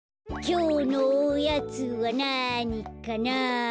きょうのおやつはなにかな？